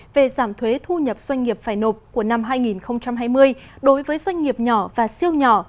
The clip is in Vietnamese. về giảm thuế thu nhập doanh nghiệp phải nộp của năm hai nghìn hai mươi đối với doanh nghiệp nhỏ và siêu nhỏ